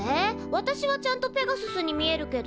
わたしはちゃんとペガススに見えるけど？